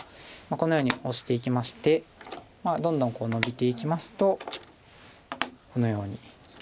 このようにオシていきましてどんどんノビていきますとこのように。